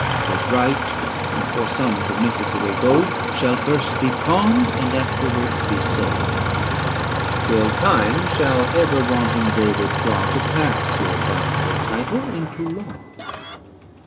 99 His right for sums of necessary gold 405 Shall first be pawned, and afterwards be sold; Till time shall ever wanting David draw To pass your doubtful title into law.